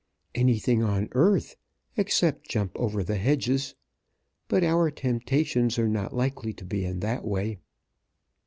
"Anything on earth, except jump over the hedges. But our temptations are not likely to be in that way."